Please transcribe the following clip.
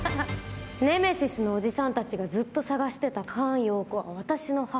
ネメシスのおじさんたちがずっと捜してた菅容子は私の母。